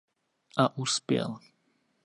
A uspěl.